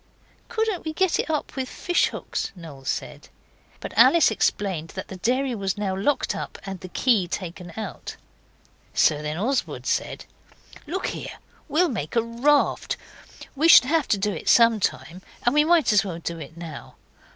'Couldn't we get it up with fish hooks?' Noel said. But Alice explained that the dairy was now locked up and the key taken out. So then Oswald said 'Look here, we'll make a raft. We should have to do it some time, and we might as well do it now.